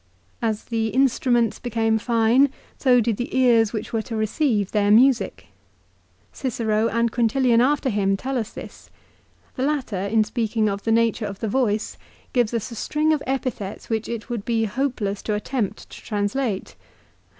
As the instru ments became fine so did the ears which were to receive their music. Cicero, and Quintilian after him, tell us this. The latter in speaking of the nature of the voice gives us a string of epithets which it would be hopeless to attempt to translate.